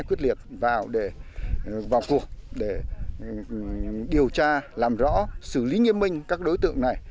quyết liệt vào cuộc để điều tra làm rõ xử lý nghiêm minh các đối tượng này